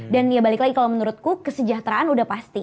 dan ya balik lagi kalo menurutku kesejahteraan udah pasti